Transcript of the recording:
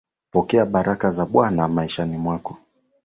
Pokea baraka za bwana maishani mwako